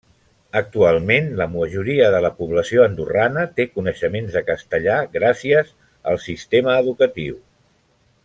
Actualment la majoria de la població andorrana té coneixements de castellà gràcies al sistema educatiu.